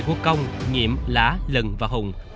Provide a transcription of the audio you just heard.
của công nhiệm lã lần và hùng